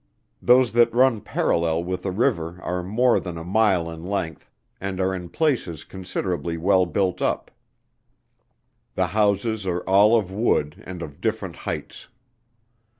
Those that run parallel with the river are more than a mile in length, and are in places considerably well built up; the houses are all of wood and of different heights.